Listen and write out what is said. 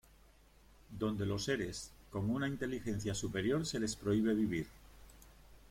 Donde los seres con una inteligencia superior se les prohíbe vivir.